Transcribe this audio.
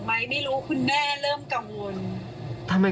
ก็ไม่รู้ว่าจะเบิ้ลไหน